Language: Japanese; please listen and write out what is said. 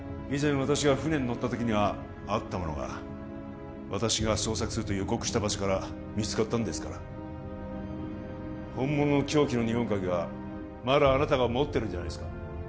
以前私が船に乗った時にはあったものが私が捜索すると予告した場所から見つかったんですから本物の凶器の二本鉤はまだあなたが持ってるんじゃないですか？